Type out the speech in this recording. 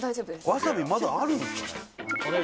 わさびまだあるんですかね？